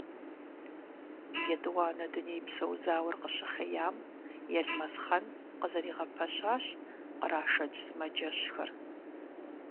ЕтӀуанэ Дунейпсо зауэр къыщыхъейм, Елмэсхъан къызэригъэпэщащ кърашэкӀ сымаджэщхэр.